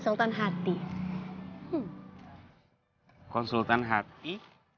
lo udah ngerti